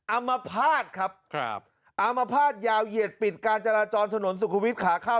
อามภาษณ์ครับครับอามภาษณยาวเหยียดปิดการจราจรถนนสุขุวิตขาเข้า